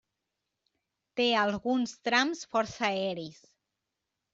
Té alguns trams força aeris.